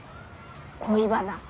恋バナ。